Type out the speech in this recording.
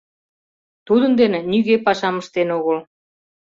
Тудын дене нигӧ пашам ыштен огыл.